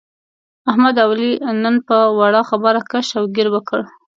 احمد او علي نن په وړه خبره کش او ګیر وکړ.